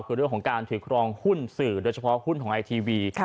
คือเรื่องของการถือครองหุ้นสื่อโดยเฉพาะหุ้นของไอทีวี